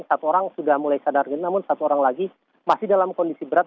satu orang sudah mulai sadar namun satu orang lagi masih dalam kondisi berat